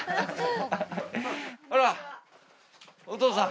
あらお父さん。